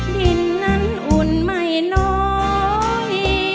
ดินนั้นอุ่นไม่น้อย